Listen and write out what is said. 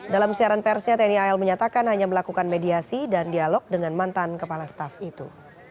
dalam siaran persnya tni al menyatakan hanya melakukan mediasi dan dialog dengan mantan kepala staff itu